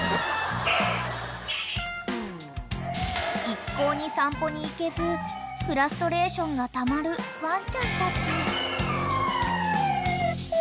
［一向に散歩に行けずフラストレーションがたまるワンちゃんたち］